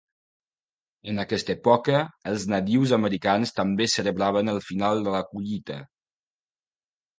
En aquesta època, els nadius americans també celebraven el final de la collita.